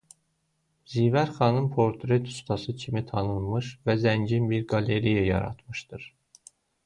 Zivər xanım portret ustası kimi tanınmış və zəngin bir qalereya yaratmışdır.